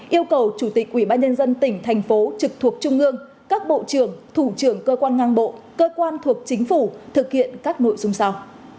yêu cầu chủ tịch ubnd tỉnh thành phố trực thuộc trung ương các bộ trưởng thủ trưởng cơ quan ngang bộ cơ quan thuộc chính phủ thực hiện các nội dung sau